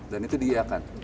dan itu diiakan